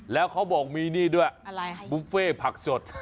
แล้วเขาบอกมีนี่ด้วยบุฟเฟ่ผักสด